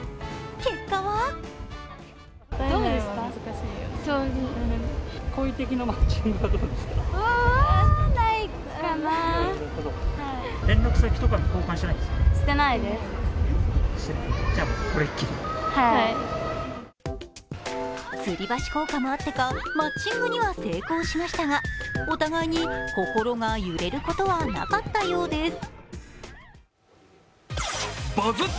結果はつり橋効果もあってかマッチングには成功しましたがお互いに心が揺れることはなかったようです。